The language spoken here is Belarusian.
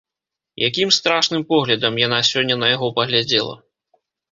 Якім страшным поглядам яна сёння на яго паглядзела!